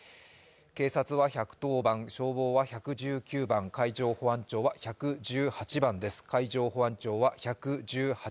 警察は１１０番、消防は１１９番、海上保安庁は１１８番です。